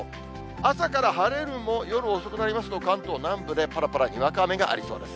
朝から晴れるも、夜遅くになりますと、関東南部でぱらぱらにわか雨がありそうです。